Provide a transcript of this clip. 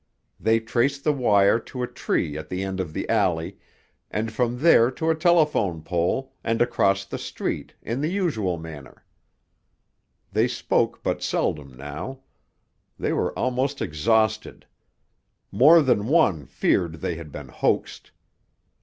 They traced the wire to a tree at the end of the alley, and from there to a telephone pole, and across the street in the usual manner. They spoke but seldom now. They were almost exhausted; more than one feared they had been hoaxed.